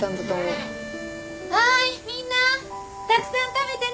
はいみんなたくさん食べてね。